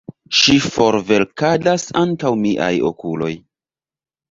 Ŝi forvelkadas antaŭ miaj okuloj.